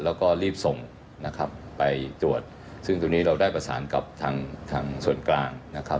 แล้วก็รีบส่งนะครับไปตรวจซึ่งตรงนี้เราได้ประสานกับทางทางส่วนกลางนะครับ